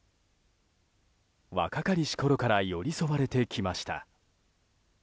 若かりしころから寄り添われてきました。